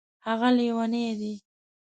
هغه لیونی دی